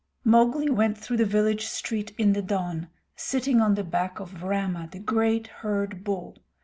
Mowgli went through the village street in the dawn, sitting on the back of Rama, the great herd bull.